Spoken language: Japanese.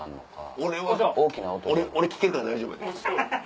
俺聞けるから大丈夫やで。